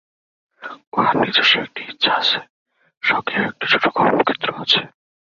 উহার নিজস্ব একটি ইচ্ছা আছে, স্বকীয় একটি ছোট কর্মক্ষেত্র আছে।